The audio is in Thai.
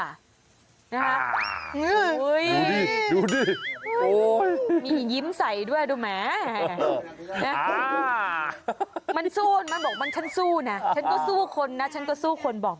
อ้าวดูดิโอ้ย